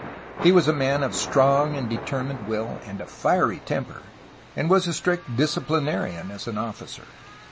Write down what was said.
He was a man of strong and determined will and a fiery temper and was a strict disciplinarian as an officer.